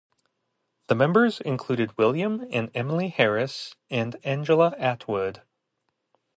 The members included William and Emily Harris and Angela Atwood.